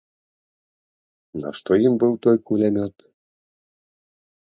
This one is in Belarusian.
Нашто ім быў той кулямёт?